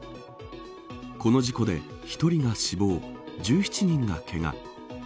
この事故で１人が死亡１７人がけが。